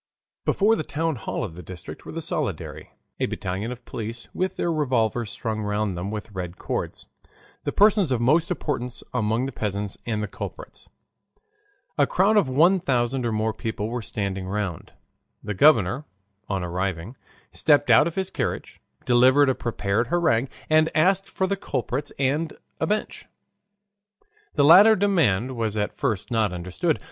Before the town hall of the district were the soldiery, a battalion of police with their revolvers slung round them with red cords, the persons of most importance among the peasants, and the culprits. A crowd of one thousand or more people were standing round. The governor, on arriving, stepped out of his carriage, delivered a prepared harangue, and asked for the culprits and a bench. The latter demand was at first not understood.